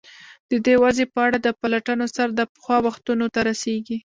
د دې وضع په اړه د پلټنو سر د پخوا وختونو ته رسېږي.